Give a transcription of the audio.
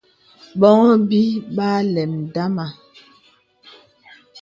Bòŋhô bī ba àləm ndama.